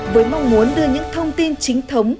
với mong muốn đưa những thông tin chính thống